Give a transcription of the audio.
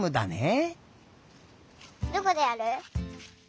どこでやる？